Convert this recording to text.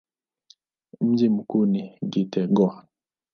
Mji mkuu ni Gitega.